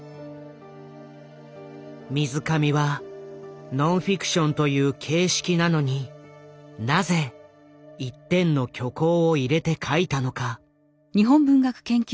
水上はノンフィクションという形式なのになぜ一点の虚構を入れて書いたのか。